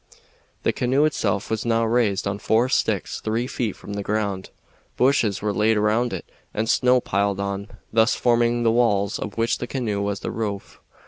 The canoe itself was now raised on four sticks three feet from the ground; bushes were laid round it and snow piled on, thus forming the walls of which the canoe was the roof.